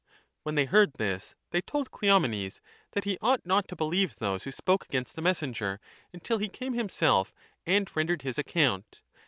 When 10 they heard this they told Cleomenes that he ought not to believe those who spoke against the messenger until he came himself and rendered his account.